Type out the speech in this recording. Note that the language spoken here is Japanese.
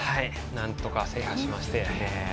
なんとか制覇しまして。